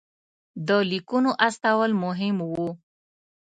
د لیکونو استول مهم وو.